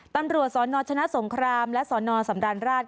ตำรวจสนชนะสงครามและสนสำราญราช